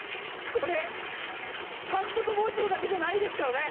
これ、三徳包丁だけじゃないですからね。